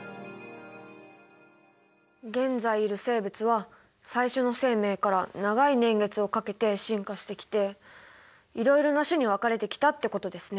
現在いる生物は最初の生命から長い年月をかけて進化してきていろいろな種に分かれてきたってことですね。